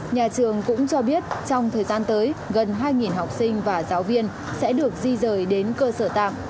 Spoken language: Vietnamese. nhà trường cũng cho biết trong thời gian tới gần hai học sinh và giáo viên sẽ được di rời đến cơ sở tạm